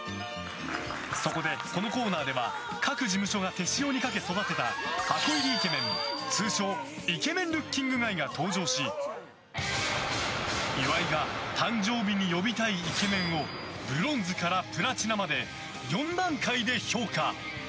そこで、このコーナーでは各事務所が手塩にかけ育てた箱入りイケメン、通称イケメン・ルッキング・ガイが登場し岩井が誕生日に呼びたいイケメンをブロンズからプラチナまで４段階で評価。